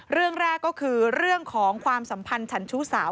เรื่องแรกก็คือเรื่องของความสัมพันธ์ฉันชู้สาว